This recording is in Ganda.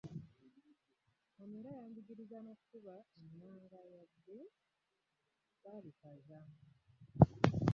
Ono era yanjigiriza n'okukuba ennanga wadde saabikaza.